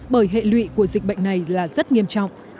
bởi hệ lụy của dịch bệnh này là rất nghiêm trọng